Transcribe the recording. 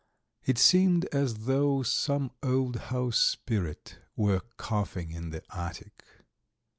It seemed as though some old house spirit were coughing in the attic.